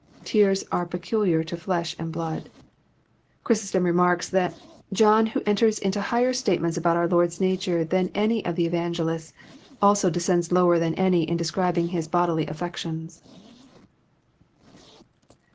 Tears are peculiar to flesh and blood. Chrysostom remarks that *'John, who enters into higher statements about our Lord's nature than any of the evangelists, also descends lower than any in describing his bodily afifec tions."